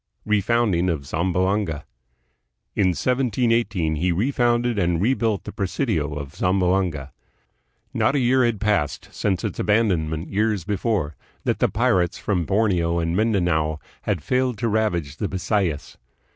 Refounding of Zamboanga. In 1718 he refounded and rebuilt the presidio of Zamboanga. Not a year had passed, since its abandonment years before, that the pirates from Borneo and Mindanao had failed to ravage the Bisayas.